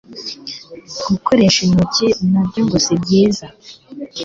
gukoresha intoki na byo ngo si byiza